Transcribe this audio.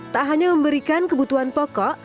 tak hanya memberikan kebutuhan pokok